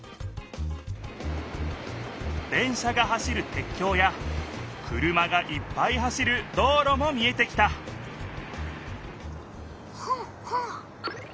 電車が走るてっきょうや車がいっぱい走る道ろも見えてきたフガフガ。